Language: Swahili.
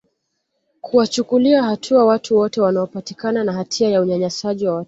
kuwachukulia hatua watu wote wanaopatikana na hatia ya unyanyasaji wa watoto